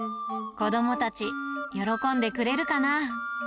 子どもたち、喜んでくれるかな。